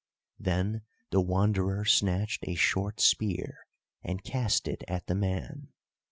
Then the Wanderer snatched a short spear and cast it at the man.